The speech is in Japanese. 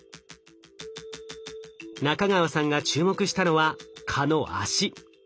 仲川さんが注目したのは蚊の脚。